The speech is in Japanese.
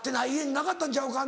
なかったんちゃうか？